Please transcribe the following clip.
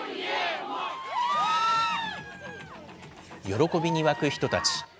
喜びに沸く人たち。